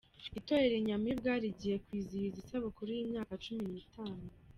Itorero inyamibwa rigiye kwizihiza isabukuru y’imyaka cumi n’itanu